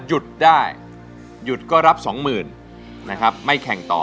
แทบจะไม่เคยฟังเลยครับแทบจะไม่เคยฟังเลยครับแทบจะไม่เคยฟังเลยครับ